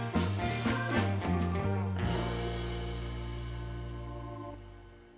โปรดติดตามต่อไป